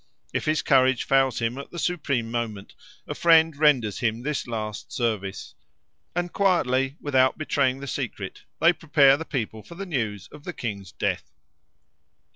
If his courage fails him at the supreme moment, a friend renders him this last service, and quietly, without betraying the secret, they prepare the people for the news of the king's death.